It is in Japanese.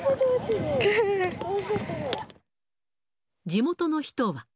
地元の人は。